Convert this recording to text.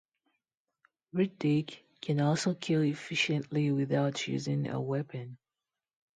Riddick can also kill efficiently without using a weapon.